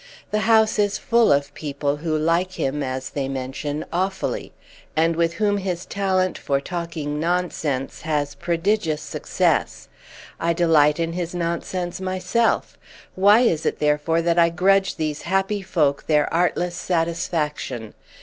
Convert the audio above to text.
The house is full of people who like him, as they mention, awfully, and with whom his talent for talking nonsense has prodigious success. I delight in his nonsense myself; why is it therefore that I grudge these happy folk their artless satisfaction?